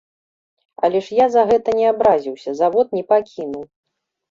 Але ж я за гэта не абразіўся, завод не пакінуў.